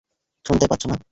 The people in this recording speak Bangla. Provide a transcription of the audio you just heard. শুনতে পাচ্ছ না?